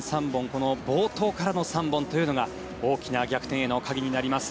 この冒頭からの３本というのが大きな逆転への鍵になります。